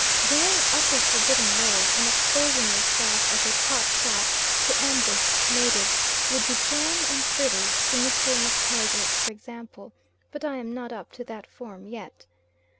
Going up a forbidden road, and exposing yourself as a pot shot to ambushed natives would be jam and fritters to Mr. MacTaggart, for example; but I am not up to that form yet.